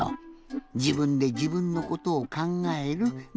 じぶんでじぶんのことをかんがえるみたいなかんじ？